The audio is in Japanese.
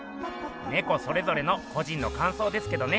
ネコそれぞれの個人の感想ですけどね。